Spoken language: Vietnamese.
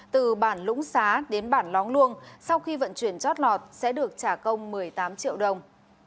từ bản lũng xá đến bản lóng luông sau khi vận chuyển chót lọt sẽ được trả công một mươi tám triệu đồng